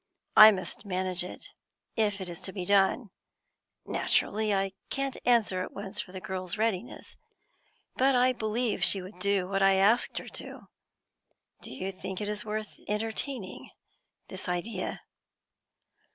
I must manage it if it is to be done. Naturally, I can't answer at once for the girl's readiness; but I believe she would do what I asked her to. Do you think it is worth entertaining, this idea?"